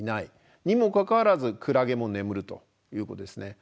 にもかかわらずクラゲも眠るということですね。